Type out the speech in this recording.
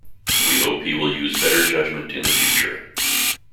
We hope he will use better judgment in the future.